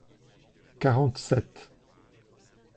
Quarante-sept.